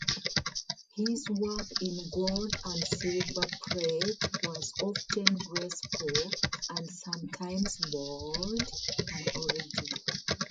His work in gold and silver-plate was often graceful and sometimes bold and original.